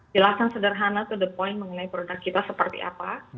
jelasan sederhana to the point mengenai produk kita seperti apa